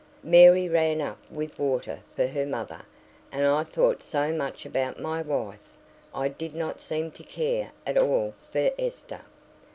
Mary ran up with water for her mother, and I thought so much about my wife, I did not seem to care at all for Esther.